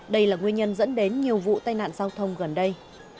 đây là nguyên nhân dẫn đến nhiều vụ tai nạn giao thông gần đây